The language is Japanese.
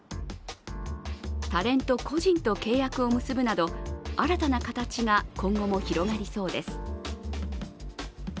タレント個人と契約を結ぶなど新たな形が今後も広がりそうです。